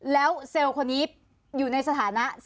แล้วเซลล์คนนี้อยู่ในสถานะ